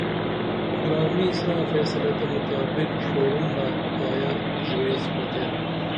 گرامی ساں فیصلہ تہ مطابق شورُنڈہ پائیہ ژُویس پرتے